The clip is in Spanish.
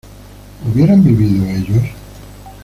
¿hubieran vivido ellos?